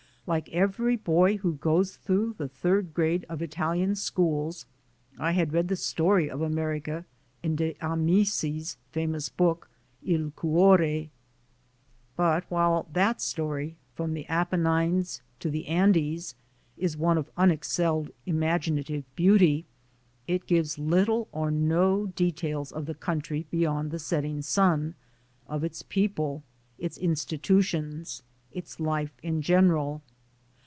Like every boy who goes through the third grade of Italian schools, I had read the story of America in De Amici's famous book, "II Cuore." But while that story, "From the Appe 60 THE SOUL OF AN IMMIGRANT nines to the Andes" is one of unexcelled imaginative beauty, it gives little or no details of the country beyond the setting sun, of its people, its institu tions, its life in general.